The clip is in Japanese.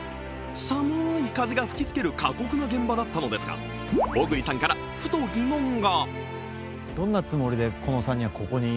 寒い風が吹きつける過酷な現場だったんですが、小栗さんからふと疑問が。